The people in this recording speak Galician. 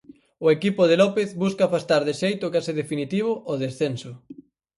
O equipo de López busca afastar de xeito case definitivo o descenso.